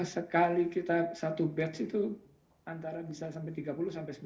sekali kita satu batch itu antara bisa sampai tiga puluh sampai sembilan puluh sampel